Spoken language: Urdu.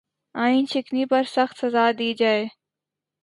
آئین شکنی پر سخت سزا دی جائے